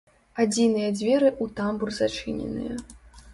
Адзіныя дзверы ў тамбур зачыненыя.